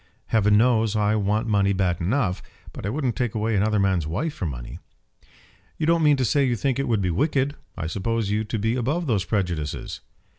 Heaven knows I want money bad enough, but I wouldn't take away another man's wife for money." "You don't mean to say you think it would be wicked. I supposed you to be above those prejudices."